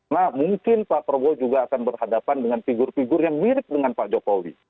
nah mungkin pak prabowo juga akan berhadapan dengan figur figur yang mirip dengan pak jokowi